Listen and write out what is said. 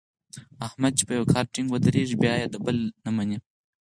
احمد چې په یوه کار ټینګ ودرېږي بیا د بل نه مني.